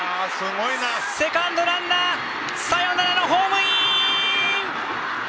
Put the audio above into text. セカンドランナーサヨナラのホームイン！